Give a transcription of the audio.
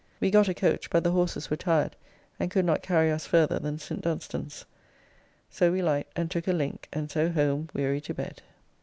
We got a coach, but the horses were tired and could not carry us farther than St. Dunstan's. So we 'light and took a link and so home weary to bed.